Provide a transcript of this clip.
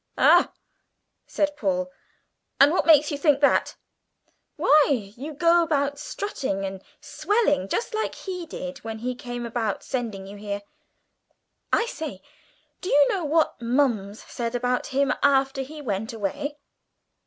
"Ah," said Paul, "and what makes you think that?" "Why, you go about strutting and swelling just like he did when he came about sending you here. I say, do you know what Mums said about him after he went away?"